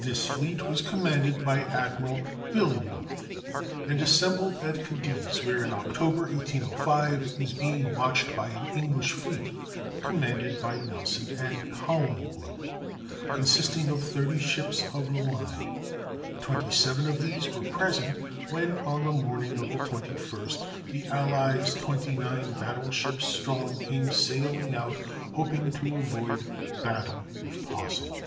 This fleet was commanded by Admiral Villeneuve, and assembled at Cadiz, where, in October, 1805, it was being watched by an English fleet, commanded by Nelson and Collingwood, consisting of thirty three ships of the line; twenty seven of these were present when, on the morning of the 21st, the allies, twenty nine battle ships strong, came sailing out, hoping to avoid battle if possible.